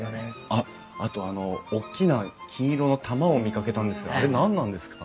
あっあとあのおっきな金色の玉を見かけたんですがあれ何なんですか？